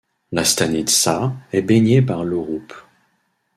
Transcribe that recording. La stanitsa est baignée par l'Ouroup.